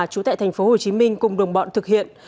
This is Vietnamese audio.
chú tệ tp hcm cùng đồng bọn thực hiện